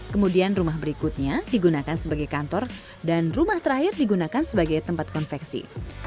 kemudian rumah berikutnya digunakan sebagai kantor dan rumah terakhir digunakan sebagai tempat konveksi